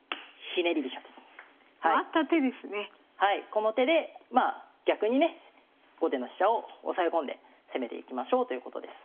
この手でまあ逆にね後手の飛車を押さえ込んで攻めていきましょうということです。